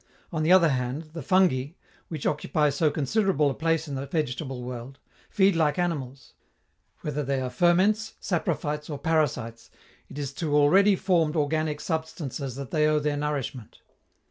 On the other hand, the fungi, which occupy so considerable a place in the vegetable world, feed like animals: whether they are ferments, saprophytes or parasites, it is to already formed organic substances that they owe their nourishment.